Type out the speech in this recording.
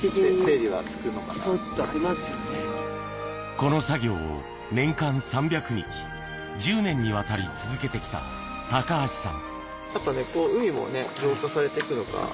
この作業を年間３００日、１０年にわたり続けてきた高橋さん。